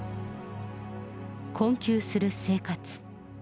困窮する生活。